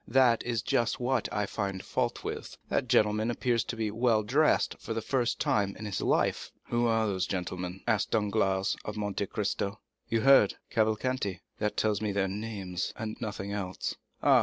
"That is just what I find fault with. That gentleman appears to be well dressed for the first time in his life." "Who are those gentlemen?" asked Danglars of Monte Cristo. "You heard—Cavalcanti." "That tells me their name, and nothing else." "Ah!